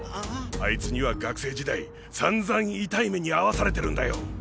あいつには学生時代散々痛い目にあわされてるんだよ！